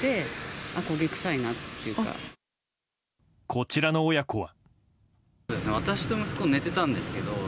こちらの親子は。